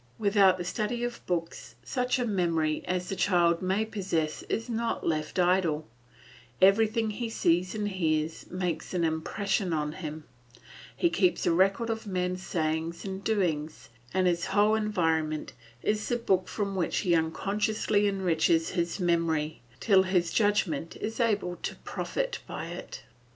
Without the study of books, such a memory as the child may possess is not left idle; everything he sees and hears makes an impression on him, he keeps a record of men's sayings and doings, and his whole environment is the book from which he unconsciously enriches his memory, till his judgment is able to profit by it.